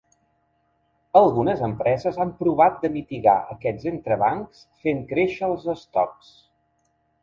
Algunes empreses han provat de mitigar aquests entrebancs fent créixer els estocs.